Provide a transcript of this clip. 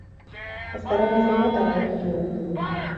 Azkarrena izan da eta garaipena lortu du.